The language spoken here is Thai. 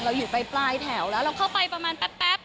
อยู่ไปปลายแถวแล้วเราเข้าไปประมาณแป๊บ